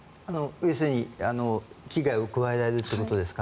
要するに危害を加えられるということですか。